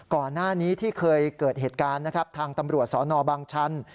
ก่อนหน้านี้ที่เคยเกิดเหตุการณ์นะครับทางตำรวจสนบางชัน